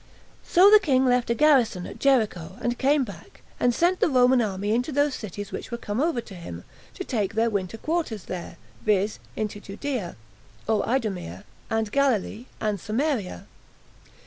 So the king left a garrison at Jericho, and came back, and sent the Roman army into those cities which were come over to him, to take their winter quarters there, viz. into Judea, [or Idumea,] and Galilee, and Samaria.